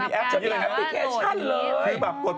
มีแอปแฟปเปลี่แคร์ชั่นเลย